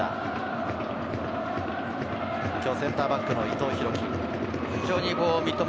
今日センターバックの伊藤洋輝。